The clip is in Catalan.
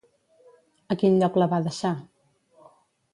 A quin lloc la va deixar?